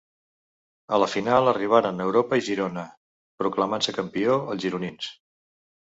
A la final arribaren Europa i Girona proclamant-se campió els gironins.